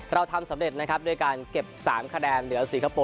เราทำสำเร็จนะครับด้วยการเก็บ๓คะแนนเหนือสิงคโปร์